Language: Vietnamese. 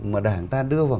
mà đảng ta đưa vào